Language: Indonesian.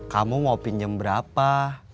kamu mau pinjem berapa